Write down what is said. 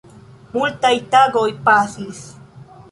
Multaj tagoj pasis.